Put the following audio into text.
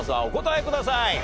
お答えください。